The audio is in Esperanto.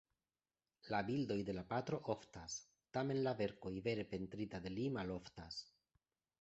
La bildoj de la patro oftas, tamen la verkoj vere pentrita de li maloftas!